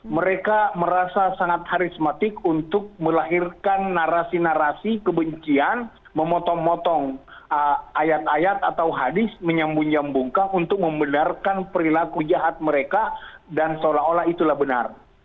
mereka merasa sangat harismatik untuk melahirkan narasi narasi kebencian memotong motong ayat ayat atau hadis menyambung nyambungkan untuk membenarkan perilaku jahat mereka dan seolah olah itulah benar